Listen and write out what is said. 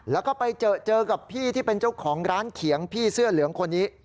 แล้วก็ไปเจอกับพี่ที่เป็นเจ้าของร้านเขียงพี่เสื้อเหลืองคนนี้